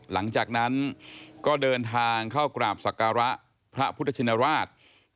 หลังจากนั้นก็เดินทางเข้ากราบศักระพระพุทธชินราช